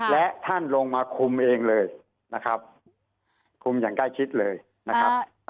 และท่านลงมาคุมเองเลยนะครับคุมอย่างใกล้ชิดเลยนะครับ